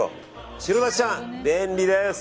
白だしちゃん、便利です。